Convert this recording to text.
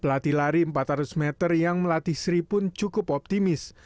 pelatih lari empat ratus meter yang melatih sri pun cukup optimis